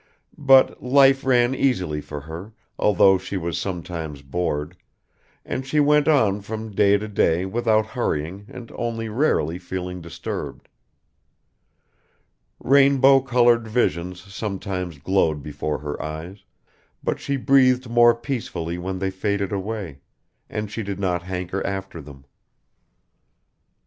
. But life ran easily for her, although she was sometimes bored, and she went on from day to day without hurrying and only rarely feeling disturbed. Rainbow colored visions sometimes glowed before her eyes, but she breathed more peacefully when they faded away, and she did not hanker after them.